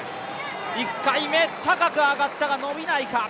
１回目、高く上がったが伸びないか。